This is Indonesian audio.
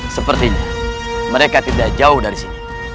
sepertinya mereka tidak jauh dari sini